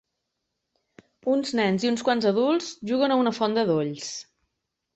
Uns nens i uns quants adults juguen a una font de dolls.